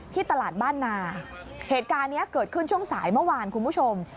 ตลาดบ้านนาเหตุการณ์นี้เกิดขึ้นช่วงสายเมื่อวานคุณผู้ชม